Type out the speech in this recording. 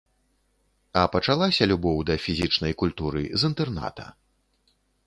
А пачалася любоў да фізічнай культуры з інтэрната.